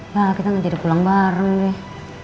lah kita nanti udah pulang bareng deh